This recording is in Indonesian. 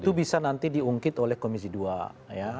itu bisa nanti diungkit oleh komisi dua ya